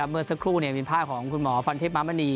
เมื่อสักครู่มีภาพของคุณหมอพันเทพมามณี